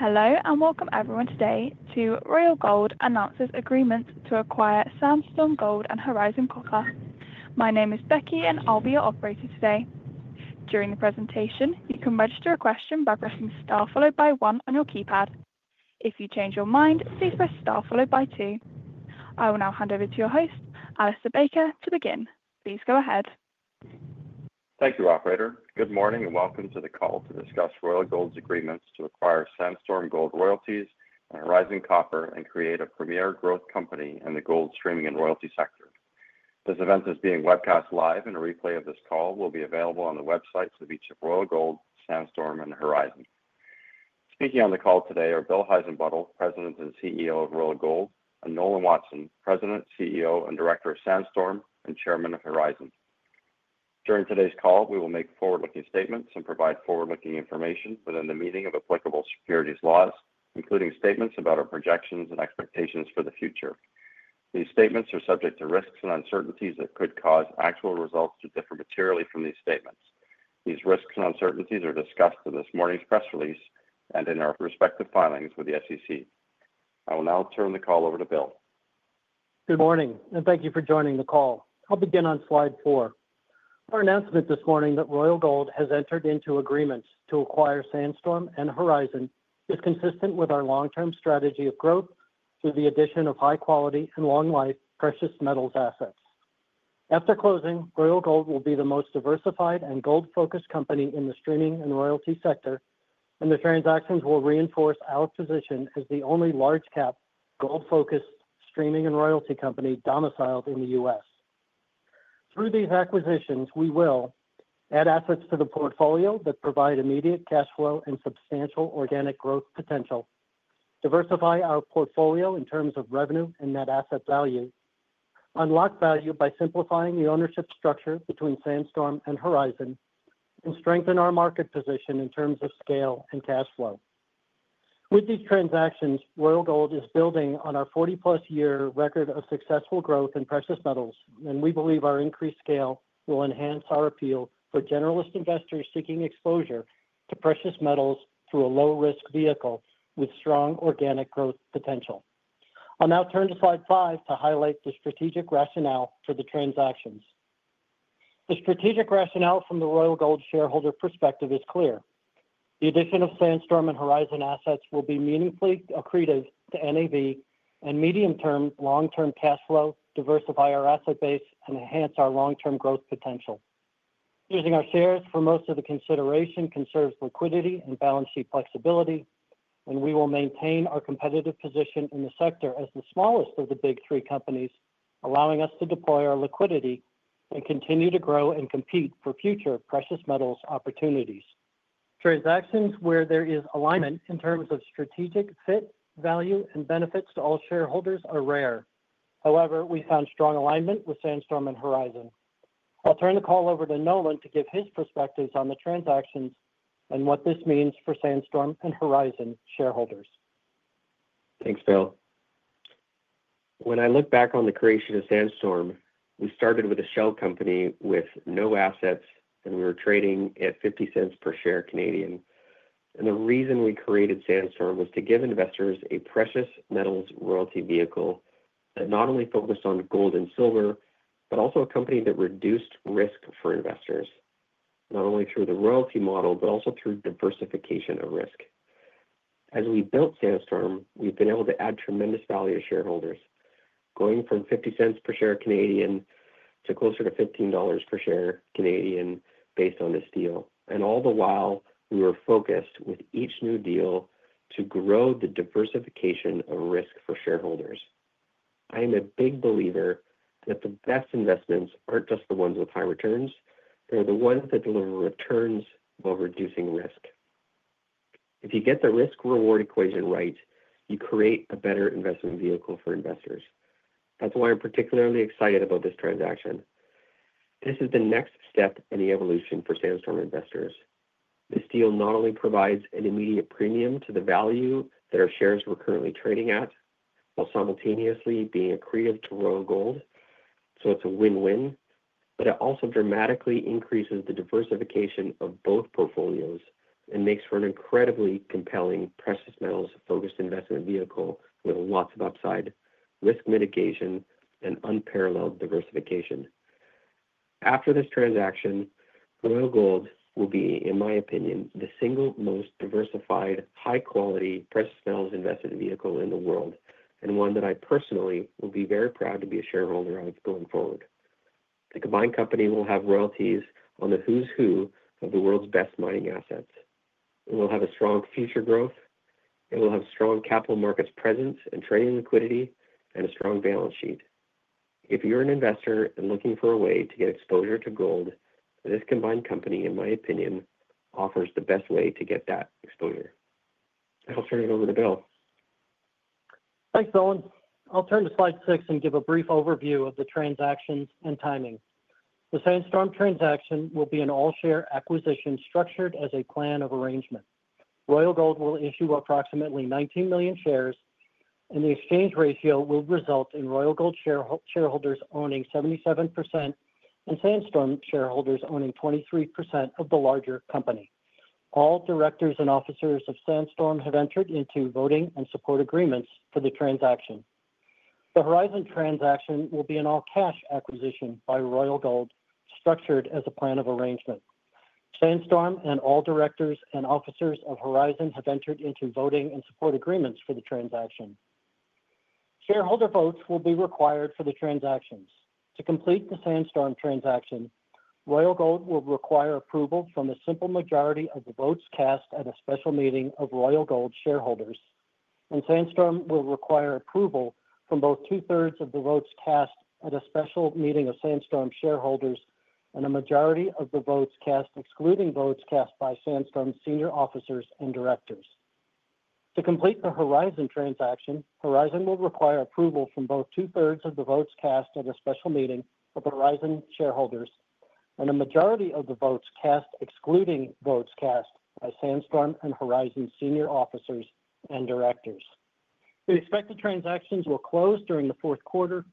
Hello and welcome everyone today to Royal Gold Announces Agreements to Acquire Sandstorm Gold and Horizon Copper. My name is Becky and I'll be your operator today. During the presentation, you can register a question by pressing star followed by one on your keypad. If you change your mind, please press star followed by two. I will now hand over to your host, Alistair Baker, to begin. Please go ahead. Thank you, Operator. Good morning and welcome to the call to discuss Royal Gold's Agreements to acquire Sandstorm Gold Royalties and Horizon Copper and create a premier growth company in the gold streaming and royalty sector. This event is being webcast live, and a replay of this call will be available on the websites of each of Royal Gold, Sandstorm, and Horizon. Speaking on the call today are Bill Heissenbuttel, President and CEO of Royal Gold, and Nolan Watson, President, CEO, and Director of Sandstorm, and Chairman of Horizon. During today's call, we will make forward-looking statements and provide forward-looking information within the meaning of applicable securities laws, including statements about our projections and expectations for the future. These statements are subject to risks and uncertainties that could cause actual results to differ materially from these statements. These risks and uncertainties are discussed in this morning's press release and in our respective filings with the SEC. I will now turn the call over to Bill. Good morning and thank you for joining the call. I'll begin on slide four. Our announcement this morning that Royal Gold has entered into agreements to acquire Sandstorm and Horizon is consistent with our long-term strategy of growth through the addition of high-quality and long-life precious metals assets. After closing, Royal Gold will be the most diversified and gold-focused company in the streaming and royalty sector, and the transactions will reinforce our position as the only large-cap gold-focused streaming and royalty company domiciled in the U.S. Through these acquisitions, we will add assets to the portfolio that provide immediate cash flow and substantial organic growth potential, diversify our portfolio in terms of revenue and net asset value, unlock value by simplifying the ownership structure between Sandstorm and Horizon, and strengthen our market position in terms of scale and cash flow. With these transactions, Royal Gold is building on our 40-plus year record of successful growth in precious metals, and we believe our increased scale will enhance our appeal for generalist investors seeking exposure to precious metals through a low-risk vehicle with strong organic growth potential. I'll now turn to slide five to highlight the strategic rationale for the transactions. The strategic rationale from the Royal Gold shareholder perspective is clear. The addition of Sandstorm and Horizon assets will be meaningfully accretive to NAV and medium-term, long-term cash flow, diversify our asset base, and enhance our long-term growth potential. Using our shares for most of the consideration conserves liquidity and balance sheet flexibility, and we will maintain our competitive position in the sector as the smallest of the big three companies, allowing us to deploy our liquidity and continue to grow and compete for future precious metals opportunities. Transactions where there is alignment in terms of strategic fit, value, and benefits to all shareholders are rare. However, we found strong alignment with Sandstorm and Horizon. I'll turn the call over to Nolan to give his perspectives on the transactions and what this means for Sandstorm and Horizon shareholders. Thanks, Bill. When I look back on the creation of Sandstorm, we started with a shell company with no assets, and we were trading at 0.50 per share. The reason we created Sandstorm was to give investors a precious metals royalty vehicle that not only focused on gold and silver, but also a company that reduced risk for investors, not only through the royalty model, but also through diversification of risk. As we built Sandstorm, we've been able to add tremendous value to shareholders, going from 0.50 per share to closer to 15 dollars per share based on the deal. All the while, we were focused with each new deal to grow the diversification of risk for shareholders. I am a big believer that the best investments aren't just the ones with high returns; they're the ones that deliver returns while reducing risk. If you get the risk-reward equation right, you create a better investment vehicle for investors. That's why I'm particularly excited about this transaction. This is the next step in the evolution for Sandstorm investors. The deal not only provides an immediate premium to the value that our shares were currently trading at while simultaneously being accretive to Royal Gold, so it's a win-win, but it also dramatically increases the diversification of both portfolios and makes for an incredibly compelling precious metals-focused investment vehicle with lots of upside, risk mitigation, and unparalleled diversification. After this transaction, Royal Gold will be, in my opinion, the single most diversified high-quality precious metals investment vehicle in the world and one that I personally will be very proud to be a shareholder of going forward. The combined company will have royalties on the who's who of the world's best mining assets. It will have a strong future growth. It will have strong capital markets presence and trading liquidity and a strong balance sheet. If you're an investor and looking for a way to get exposure to gold, this combined company, in my opinion, offers the best way to get that exposure. I'll turn it over to Bill. Thanks, Nolan. I'll turn to slide six and give a brief overview of the transactions and timing. The Sandstorm transaction will be an all-share acquisition structured as a plan of arrangement. Royal Gold will issue approximately 19 million shares, and the exchange ratio will result in Royal Gold shareholders owning 77% and Sandstorm shareholders owning 23% of the larger company. All directors and officers of Sandstorm have entered into voting and support agreements for the transaction. The Horizon transaction will be an all-cash acquisition by Royal Gold structured as a plan of arrangement. Sandstorm and all directors and officers of Horizon have entered into voting and support agreements for the transaction. Shareholder votes will be required for the transactions. To complete the Sandstorm transaction, Royal Gold will require approval from a simple majority of the votes cast at a special meeting of Royal Gold shareholders, and Sandstorm will require approval from both two-thirds of the votes cast at a special meeting of Sandstorm shareholders and a majority of the votes cast, excluding votes cast by Sandstorm's senior officers and directors. To complete the Horizon transaction, Horizon will require approval from both two-thirds of the votes cast at a special meeting of Horizon shareholders and a majority of the votes cast, excluding votes cast by Sandstorm and Horizon senior officers and directors. The expected transactions will close during the fourth quarter,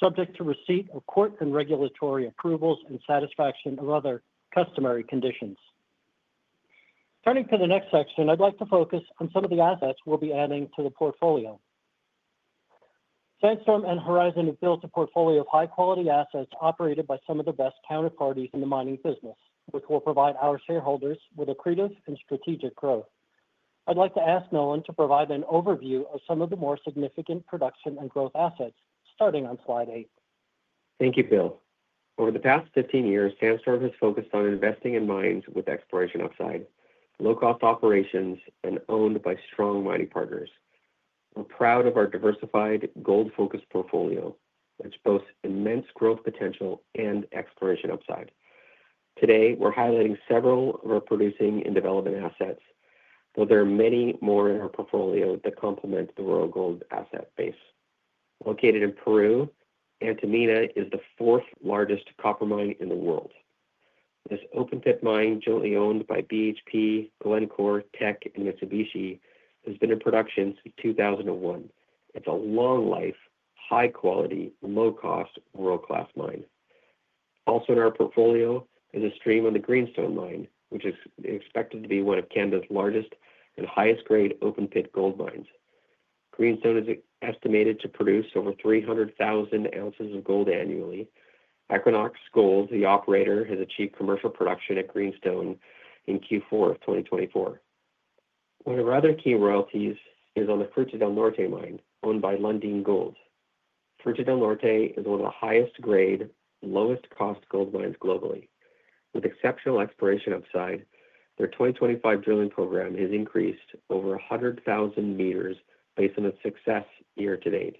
subject to receipt of court and regulatory approvals and satisfaction of other customary conditions. Turning to the next section, I'd like to focus on some of the assets we'll be adding to the portfolio. Sandstorm and Horizon have built a portfolio of high-quality assets operated by some of the best counterparties in the mining business, which will provide our shareholders with accretive and strategic growth. I'd like to ask Nolan to provide an overview of some of the more significant production and growth assets, starting on slide eight. Thank you, Bill. Over the past 15 years, Sandstorm has focused on investing in mines with exploration upside, low-cost operations, and owned by strong mining partners. We're proud of our diversified gold-focused portfolio, which boasts immense growth potential and exploration upside. Today, we're highlighting several of our producing and development assets, but there are many more in our portfolio that complement the Royal Gold asset base. Located in Peru, Antamina is the fourth-largest copper mine in the world. This open-pit mine, jointly owned by BHP, Glencore, Teck, and Mitsubishi, has been in production since 2001. It's a long-life, high-quality, low-cost, world-class mine. Also in our portfolio is a stream on the Greenstone Mine, which is expected to be one of Canada's largest and highest-grade open-pit gold mines. Greenstone is estimated to produce over 300,000 ounces of gold annually. Equinox Gold, the operator, has achieved commercial production at Greenstone in Q4 of 2024. One of our other key royalties is on the Fruta del Norte mine, owned by Lundin Gold. Fruta del Norte is one of the highest-grade, lowest-cost gold mines globally. With exceptional exploration upside, their 2025 drilling program has increased over 100,000 meters based on its success year to date.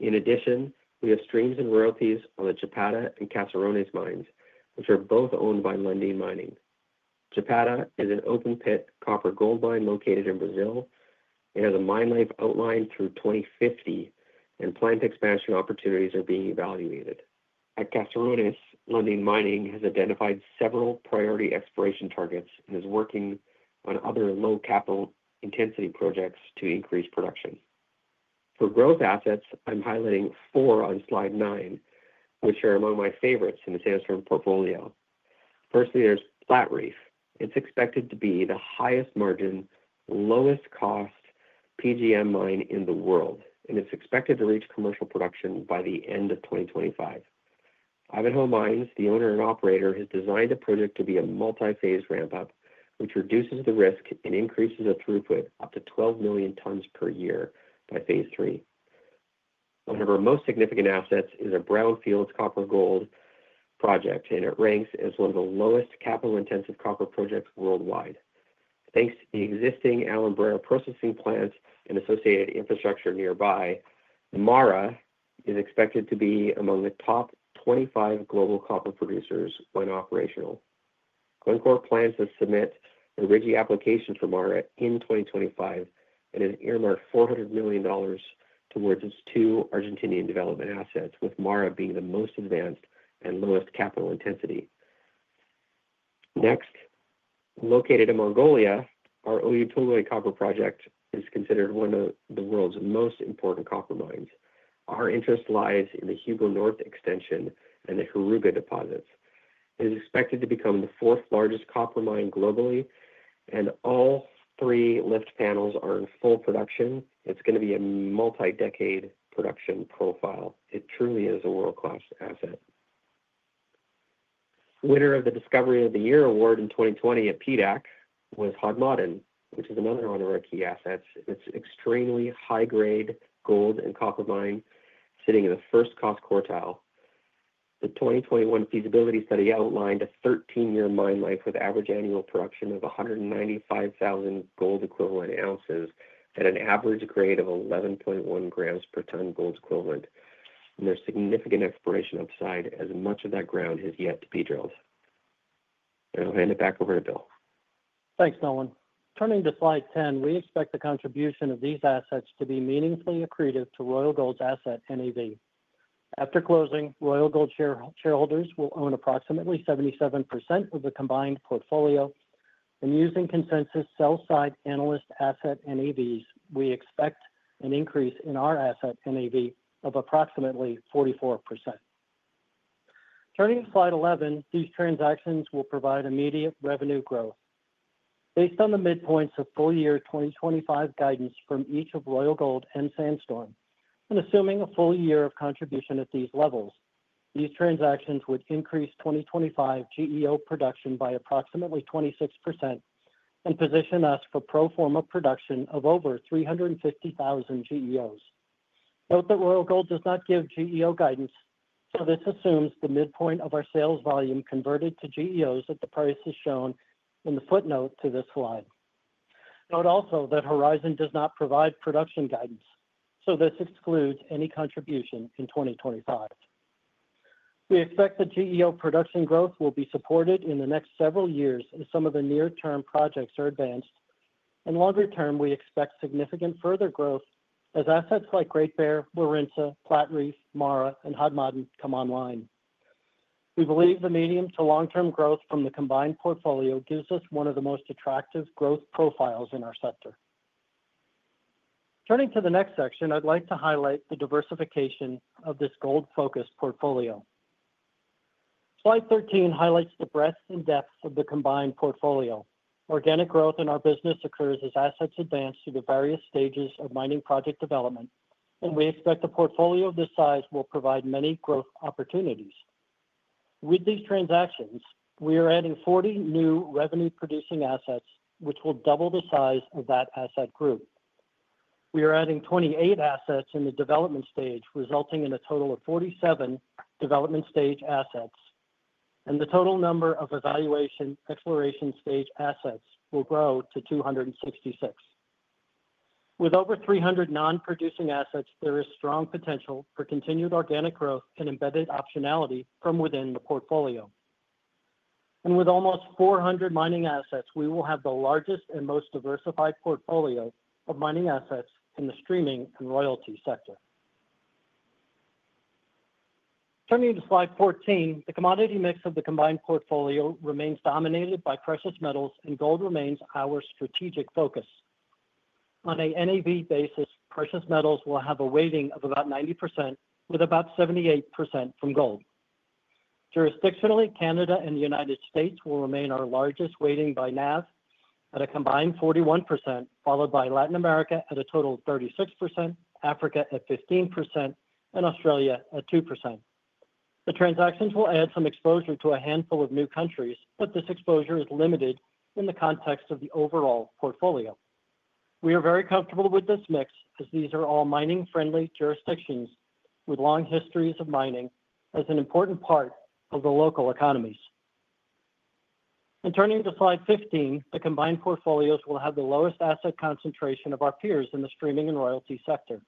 In addition, we have streams and royalties on the Chapada and Caserones mines, which are both owned by Lundin Mining. Chapada is an open-pit copper gold mine located in Brazil. It has a mine life outlined through 2050, and plant expansion opportunities are being evaluated. At Caserones, Lundin Mining has identified several priority exploration targets and is working on other low-capital intensity projects to increase production. For growth assets, I'm highlighting four on slide nine, which are among my favorites in the Sandstorm portfolio. Firstly, there's Platreef. It's expected to be the highest-margin, lowest-cost PGM mine in the world, and it's expected to reach commercial production by the end of 2025. Ivanhoe Mines, the owner and operator, has designed a project to be a multi-phase ramp-up, which reduces the risk and increases the throughput up to 12 million tons per year by phase three. One of our most significant assets is a brownfields copper-gold project, and it ranks as one of the lowest-capital-intensive copper projects worldwide. Thanks to the existing Alumbrera processing plant and associated infrastructure nearby, MARA is expected to be among the top 25 global copper producers when operational. Glencore plans to submit a rigid application for MARA in 2025 and has earmarked $400 million towards its two Argentinian development assets, with MARA being the most advanced and lowest-capital intensity. Next, located in Mongolia, our Oyu Tolgoi copper project is considered one of the world's most important copper mines. Our interest lies in the Hugo North extension and the Heruga deposits. It is expected to become the fourth-largest copper mine globally, and all three lift panels are in full production. It's going to be a multi-decade production profile. It truly is a world-class asset. Winner of the Discovery of the Year Award in 2020 at PDAC was Hod Maden, which is another one of our key assets. It's an extremely high-grade gold and copper mine sitting in the first-cost quartile. The 2021 feasibility study outlined a 13-year mine life with average annual production of 195,000 gold-equivalent ounces at an average grade of 11.1 grams per ton gold equivalent, and there's significant exploration upside as much of that ground has yet to be drilled. I'll hand it back over to Bill. Thanks, Nolan. Turning to slide 10, we expect the contribution of these assets to be meaningfully accretive to Royal Gold's asset NAV. After closing, Royal Gold shareholders will own approximately 77% of the combined portfolio, and using consensus sell-side analyst asset NAVs, we expect an increase in our asset NAV of approximately 44%. Turning to slide 11, these transactions will provide immediate revenue growth. Based on the midpoint of full-year 2025 guidance from each of Royal Gold and Sandstorm, and assuming a full year of contribution at these levels, these transactions would increase 2025 GEO production by approximately 26% and position us for pro forma production of over 350,000 GEOs. Note that Royal Gold does not give GEO guidance, so this assumes the midpoint of our sales volume converted to GEOs at the prices shown in the footnote to this slide. Note also that Horizon does not provide production guidance, so this excludes any contribution in 2025. We expect the GEO production growth will be supported in the next several years as some of the near-term projects are advanced, and longer-term, we expect significant further growth as assets like Great Bear, Warintza, Platreef, MARA, and Hod Maden come online. We believe the medium to long-term growth from the combined portfolio gives us one of the most attractive growth profiles in our sector. Turning to the next section, I'd like to highlight the diversification of this gold-focused portfolio. Slide 13 highlights the breadth and depth of the combined portfolio. Organic growth in our business occurs as assets advance through the various stages of mining project development, and we expect a portfolio of this size will provide many growth opportunities. With these transactions, we are adding 40 new revenue-producing assets, which will double the size of that asset group. We are adding 28 assets in the development stage, resulting in a total of 47 development stage assets, and the total number of evaluation/exploration stage assets will grow to 266. With over 300 non-producing assets, there is strong potential for continued organic growth and embedded optionality from within the portfolio. With almost 400 mining assets, we will have the largest and most diversified portfolio of mining assets in the streaming and royalty sector. Turning to slide 14, the commodity mix of the combined portfolio remains dominated by precious metals, and gold remains our strategic focus. On an NAV basis, precious metals will have a weighting of about 90%, with about 78% from gold. Jurisdictionally, Canada and the United States will remain our largest weighting by NAV, at a combined 41%, followed by Latin America at a total of 36%, Africa at 15%, and Australia at 2%. The transactions will add some exposure to a handful of new countries, but this exposure is limited in the context of the overall portfolio. We are very comfortable with this mix as these are all mining-friendly jurisdictions with long histories of mining as an important part of the local economies. Turning to slide 15, the combined portfolios will have the lowest asset concentration of our peers in the streaming and royalty sector.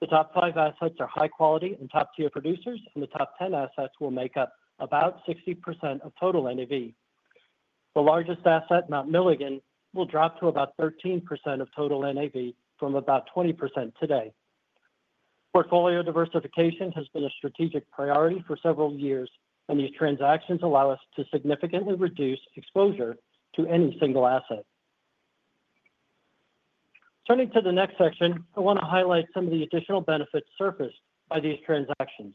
The top five assets are high-quality and top-tier producers, and the top ten assets will make up about 60% of total NAV. The largest asset, Mount Milligan, will drop to about 13% of total NAV from about 20% today. Portfolio diversification has been a strategic priority for several years, and these transactions allow us to significantly reduce exposure to any single asset. Turning to the next section, I want to highlight some of the additional benefits surfaced by these transactions.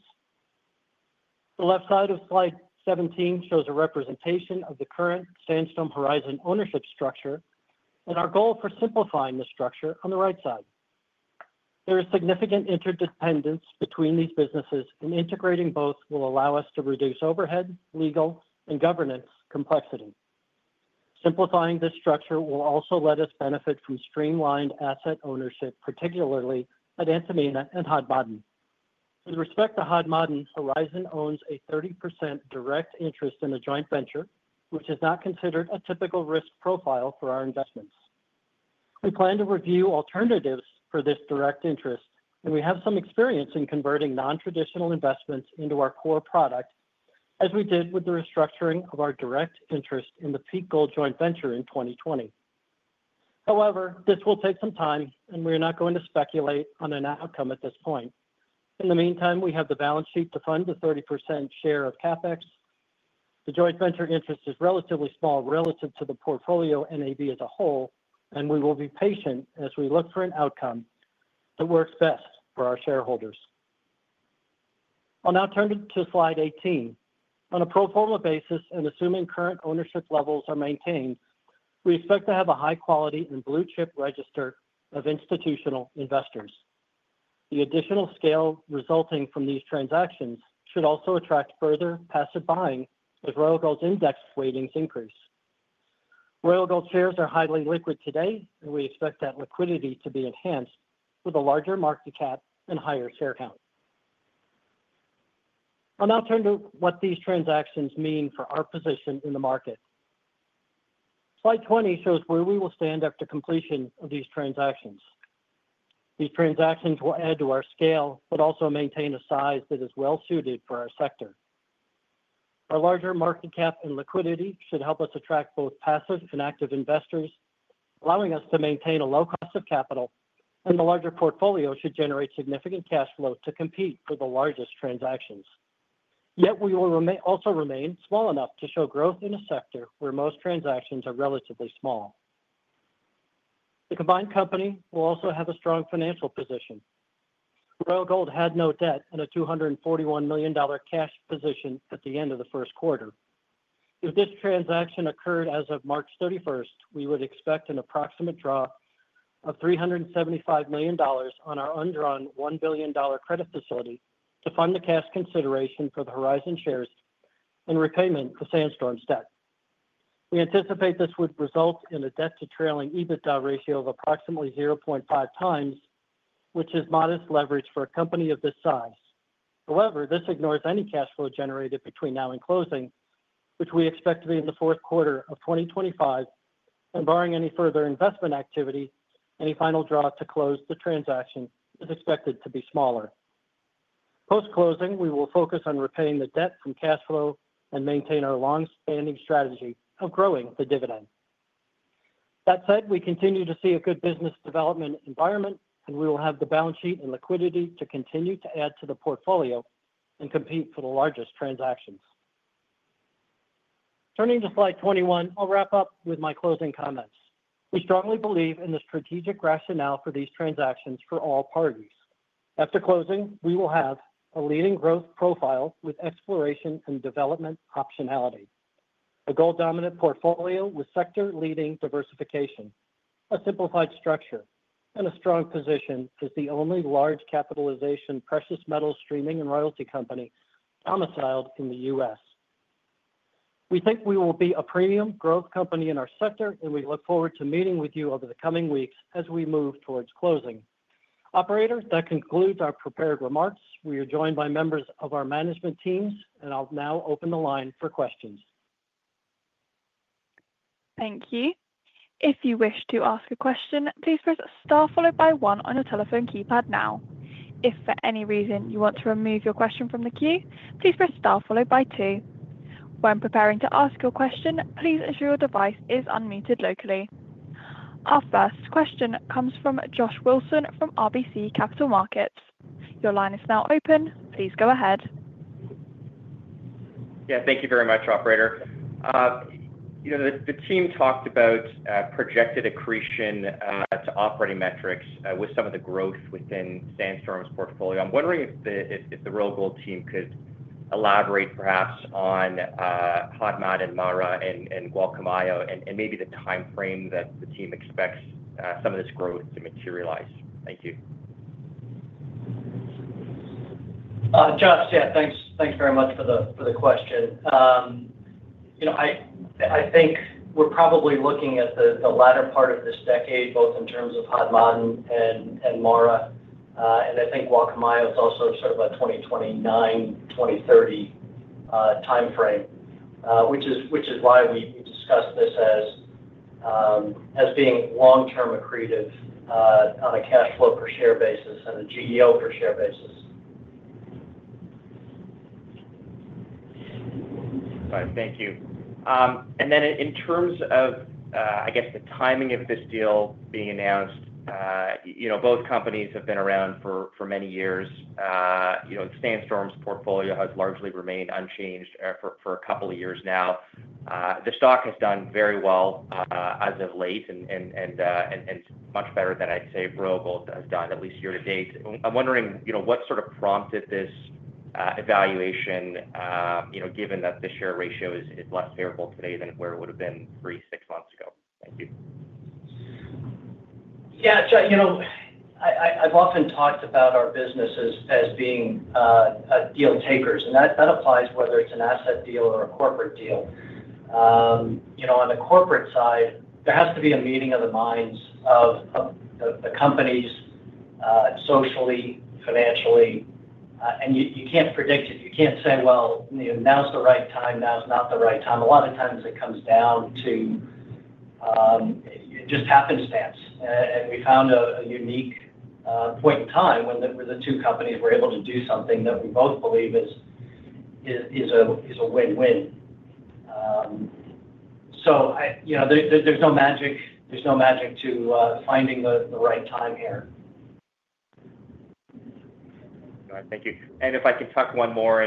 The left side of slide 17 shows a representation of the current Sandstorm Horizon ownership structure and our goal for simplifying the structure on the right side. There is significant interdependence between these businesses, and integrating both will allow us to reduce overhead, legal, and governance complexity. Simplifying this structure will also let us benefit from streamlined asset ownership, particularly at Antamina and Hodmodden. With respect to Hod Maden, Horizon owns a 30% direct interest in a joint venture, which is not considered a typical risk profile for our investments. We plan to review alternatives for this direct interest, and we have some experience in converting non-traditional investments into our core product, as we did with the restructuring of our direct interest in the Peak Gold joint venture in 2020. However, this will take some time, and we are not going to speculate on an outcome at this point. In the meantime, we have the balance sheet to fund the 30% share of CapEx. The joint venture interest is relatively small relative to the portfolio NAV as a whole, and we will be patient as we look for an outcome that works best for our shareholders. I'll now turn to slide 18. On a pro forma basis, and assuming current ownership levels are maintained, we expect to have a high-quality and blue-chip register of institutional investors. The additional scale resulting from these transactions should also attract further passive buying as Royal Gold's index weightings increase. Royal Gold shares are highly liquid today, and we expect that liquidity to be enhanced with a larger market cap and higher share count. I'll now turn to what these transactions mean for our position in the market. Slide 20 shows where we will stand after completion of these transactions. These transactions will add to our scale, but also maintain a size that is well-suited for our sector. Our larger market cap and liquidity should help us attract both passive and active investors, allowing us to maintain a low cost of capital, and the larger portfolio should generate significant cash flow to compete for the largest transactions. Yet, we will also remain small enough to show growth in a sector where most transactions are relatively small. The combined company will also have a strong financial position. Royal Gold had no debt and a $241 million cash position at the end of the first quarter. If this transaction occurred as of March 31, we would expect an approximate draw of $375 million on our undrawn $1 billion credit facility to fund the cash consideration for the Horizon shares and repayment of Sandstorm's debt. We anticipate this would result in a debt-to-trailing EBITDA ratio of approximately 0.5 times, which is modest leverage for a company of this size. However, this ignores any cash flow generated between now and closing, which we expect to be in the fourth quarter of 2025, and barring any further investment activity, any final draw to close the transaction is expected to be smaller. Post-closing, we will focus on repaying the debt from cash flow and maintain our long-standing strategy of growing the dividend. That said, we continue to see a good business development environment, and we will have the balance sheet and liquidity to continue to add to the portfolio and compete for the largest transactions. Turning to slide 21, I'll wrap up with my closing comments. We strongly believe in the strategic rationale for these transactions for all parties. After closing, we will have a leading growth profile with exploration and development optionality, a gold-dominant portfolio with sector-leading diversification, a simplified structure, and a strong position as the only large-capitalization precious metals streaming and royalty company domiciled in the U.S. We think we will be a premium growth company in our sector, and we look forward to meeting with you over the coming weeks as we move towards closing. Operator, that concludes our prepared remarks. We are joined by members of our management teams, and I'll now open the line for questions. Thank you. If you wish to ask a question, please press star followed by one on your telephone keypad now. If for any reason you want to remove your question from the queue, please press star followed by two. When preparing to ask your question, please ensure your device is unmuted locally. Our first question comes from Josh Wilson from RBC Capital Markets. Your line is now open. Please go ahead. Yeah, thank you very much, Operator. The team talked about projected accretion to operating metrics with some of the growth within Sandstorm's portfolio. I'm wondering if the Royal Gold team could elaborate perhaps on Hod Maden, MARA, and Gualcamayo, and maybe the timeframe that the team expects some of this growth to materialize. Thank you. Josh, yeah, thanks very much for the question. I think we're probably looking at the latter part of this decade, both in terms of Hod Maden and MARA, and I think Gualcamayo is also sort of a 2029, 2030 timeframe, which is why we discussed this as being long-term accretive on a cash-flow-per-share basis and a GEO per share basis. All right, thank you. In terms of, I guess, the timing of this deal being announced, both companies have been around for many years. Sandstorm's portfolio has largely remained unchanged for a couple of years now. The stock has done very well as of late and much better than, I'd say, Royal Gold has done, at least year to date. I'm wondering what sort of prompted this evaluation, given that the share ratio is less favorable today than where it would have been three to six months ago. Thank you. Yeah. I've often talked about our businesses as being deal takers, and that applies whether it's an asset deal or a corporate deal. On the corporate side, there has to be a meeting of the minds of the companies, socially, financially, and you can't predict it. You can't say, "Now's the right time, now's not the right time." A lot of times it comes down to just happenstance. We found a unique point in time when the two companies were able to do something that we both believe is a win-win. There's no magic to finding the right time here. All right, thank you. If I can talk one more,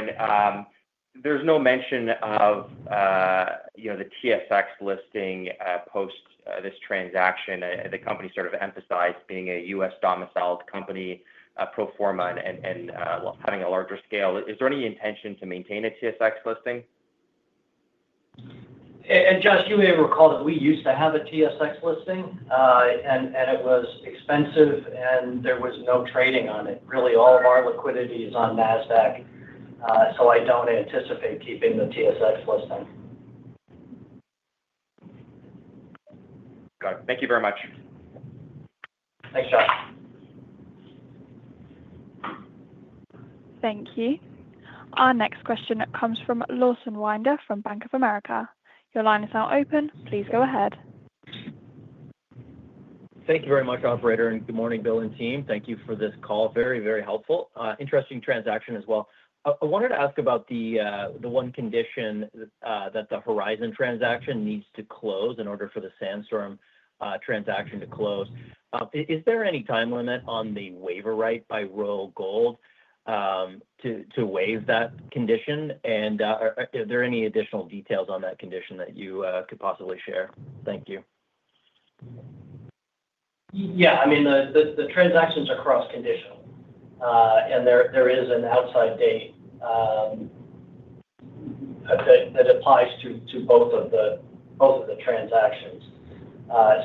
there's no mention of the TSX listing post this transaction. The company sort of emphasized being a U.S. domiciled company, pro forma, and having a larger scale. Is there any intention to maintain a TSX listing? Josh, you may recall that we used to have a TSX listing. It was expensive, and there was no trading on it. Really, all of our liquidity is on Nasdaq, so I do not anticipate keeping the TSX listing. Got it. Thank you very much. Thanks, Josh. Thank you. Our next question comes from Lawson Winder from Bank of America. Your line is now open. Please go ahead. Thank you very much, Operator, and good morning, Bill and team. Thank you for this call. Very, very helpful. Interesting transaction as well. I wanted to ask about the one condition that the Horizon transaction needs to close in order for the Sandstorm transaction to close. Is there any time limit on the waiver right by Royal Gold to waive that condition? Are there any additional details on that condition that you could possibly share? Thank you. Yeah, I mean, the transaction's cross-conditional. And there is an outside date. That applies to both of the transactions.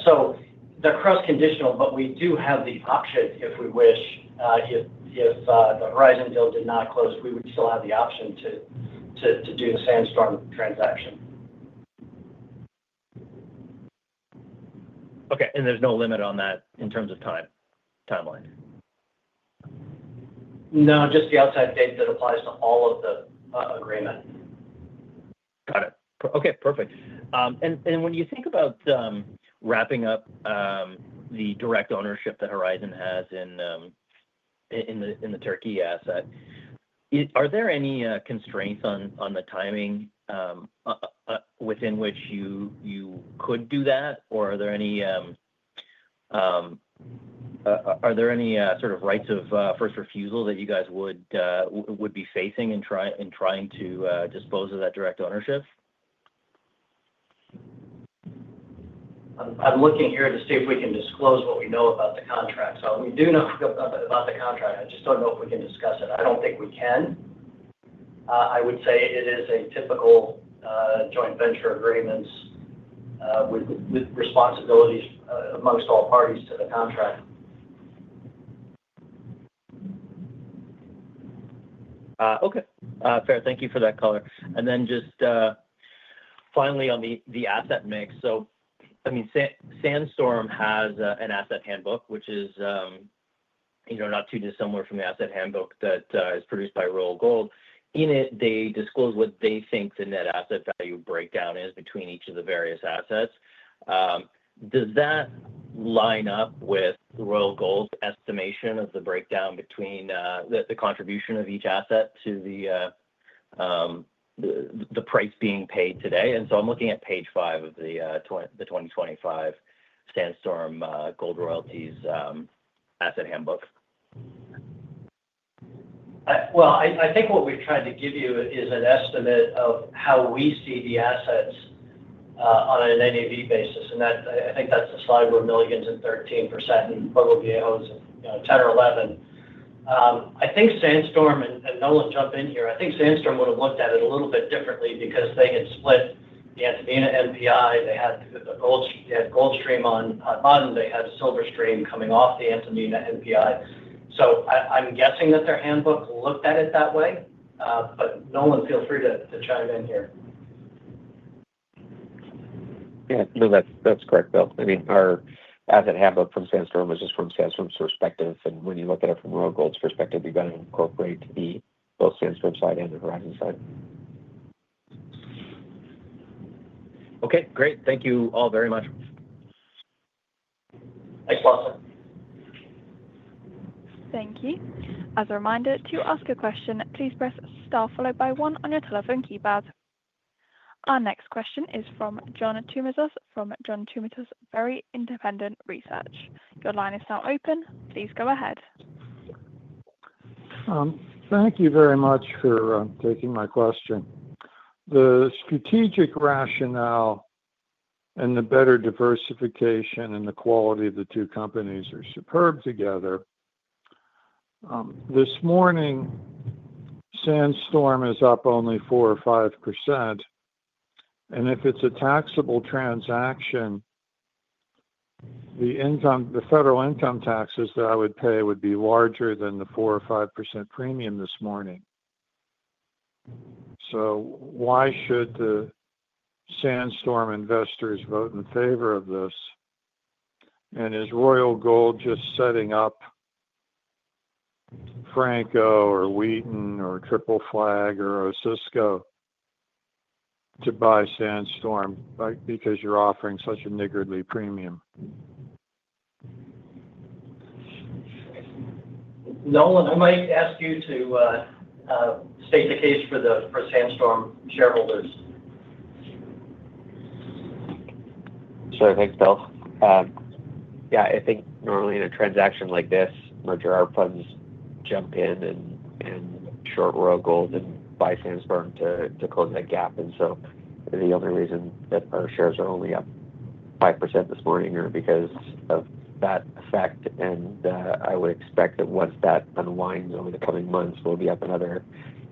So they're cross-conditional, but we do have the option, if we wish. If the Horizon deal did not close, we would still have the option to do the Sandstorm transaction. Okay. There's no limit on that in terms of timeline? No, just the outside date that applies to all of the agreement. Got it. Okay, perfect. When you think about wrapping up the direct ownership that Horizon has in the Turkey asset, are there any constraints on the timing within which you could do that? Are there any sort of rights of first refusal that you guys would be facing in trying to dispose of that direct ownership? I'm looking here to see if we can disclose what we know about the contract. So we do know about the contract. I just don't know if we can discuss it. I don't think we can. I would say it is a typical joint venture agreement with responsibilities amongst all parties to the contract. Okay. Fair. Thank you for that color. Finally on the asset mix. I mean, Sandstorm has an asset handbook, which is not too dissimilar from the asset handbook that is produced by Royal Gold. In it, they disclose what they think the net asset value breakdown is between each of the various assets. Does that line up with Royal Gold's estimation of the breakdown between the contribution of each asset to the price being paid today? I'm looking at page five of the 2025 Sandstorm Gold Royalties asset handbook. I think what we've tried to give you is an estimate of how we see the assets on an NAV basis. I think that's the slide where millions and 13%, and Pueblo Viejo's 10% or 11%. I think Sandstorm, and Nolan, jump in here, I think Sandstorm would have looked at it a little bit differently because they had split the Antamina NPI. They had gold stream on Hodmodden. They had silver stream coming off the Antamina NPI. I'm guessing that their handbook looked at it that way. Nolan, feel free to chime in here. Yeah, no, that's correct, Bill. I mean, our asset handbook from Sandstorm was just from Sandstorm's perspective. When you look at it from Royal Gold's perspective, you've got to incorporate both Sandstorm's side and the Horizon's side. Okay, great. Thank you all very much. Thanks, Lawson. Thank you. As a reminder, to ask a question, please press Star followed by 1 on your telephone keypad. Our next question is from John Tumazos from John Tumazos Very Independent Research. Your line is now open. Please go ahead. Thank you very much for taking my question. The strategic rationale. And the better diversification and the quality of the two companies are superb together. This morning. Sandstorm is up only 4% or 5%. And if it's a taxable transaction. The federal income taxes that I would pay would be larger than the 4% or 5% premium this morning. So why should the. Sandstorm investors vote in favor of this? And is Royal Gold just setting up Franco or Wheaton or Triple Flag or Osisko to buy Sandstorm because you're offering such a niggardly premium? Nolan, I might ask you to state the case for the Sandstorm shareholders. Sure, thanks, Bill. Yeah, I think normally in a transaction like this, merger arb funds jump in and short Royal Gold and buy Sandstorm to close that gap. The only reason that our shares are only up 5% this morning is because of that effect. I would expect that once that unwinds over the coming months, we'll be up another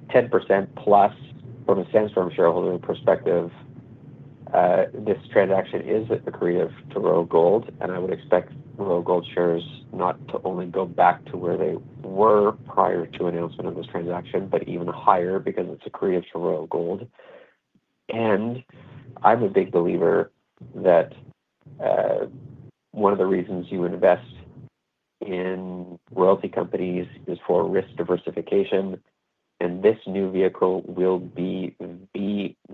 10% plus. From a Sandstorm shareholder perspective, this transaction is accretive to Royal Gold. I would expect Royal Gold shares not to only go back to where they were prior to announcement of this transaction, but even higher because it's accretive to Royal Gold. I'm a big believer that one of the reasons you invest in royalty companies is for risk diversification. This new vehicle will be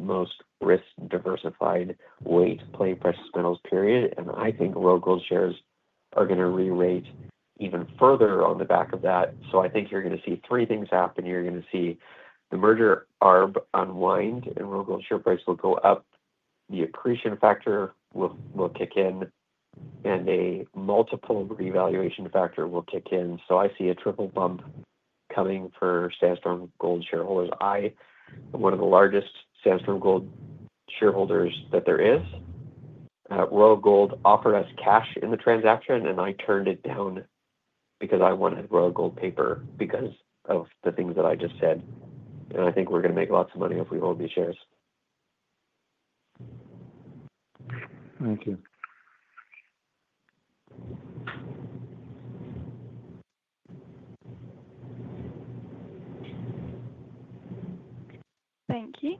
the most risk-diversified way to play precious metals, period. I think Royal Gold shares are going to re-rate. Even further on the back of that. I think you're going to see three things happen. You're going to see the merger arb unwind, and Royal Gold share price will go up. The accretion factor will kick in. A multiple revaluation factor will kick in. I see a triple bump coming for Sandstorm Gold shareholders. I am one of the largest Sandstorm Gold shareholders that there is. Royal Gold offered us cash in the transaction, and I turned it down. Because I wanted Royal Gold paper because of the things that I just said. I think we're going to make lots of money if we hold these shares. Thank you. Thank you.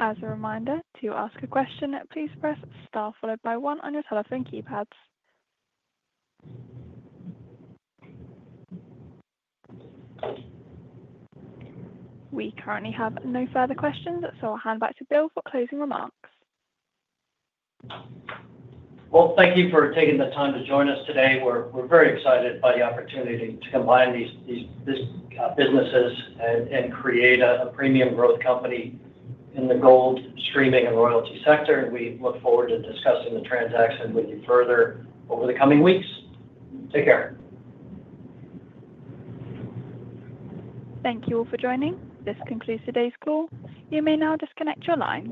As a reminder, to ask a question, please press star followed by one on your telephone keypads. We currently have no further questions, so I'll hand back to Bill for closing remarks. Thank you for taking the time to join us today. We're very excited by the opportunity to combine these businesses and create a premium growth company in the gold, streaming, and royalty sector. We look forward to discussing the transaction with you further over the coming weeks. Take care. Thank you all for joining. This concludes today's call. You may now disconnect your line.